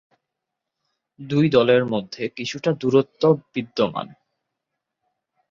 দুই দলের মধ্যে কিছুটা দূরত্ব বিদ্যমান।